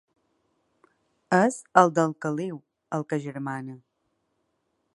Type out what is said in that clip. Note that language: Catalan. És el del caliu, el que agermana.